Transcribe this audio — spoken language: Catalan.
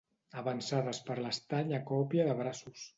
Avançades per l'estany a còpia de braços.